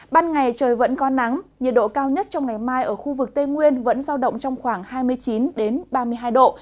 ban ngày trời vẫn có nắng nhiệt độ cao nhất trong ngày mai ở khu vực tây nguyên vẫn giao động trong khoảng hai mươi chín ba mươi hai độ